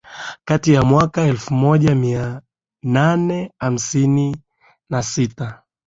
kati ya mwaka elfu moja mia nane hamsini na sita